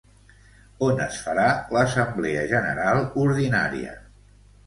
On es farà l'assemblea general ordinària?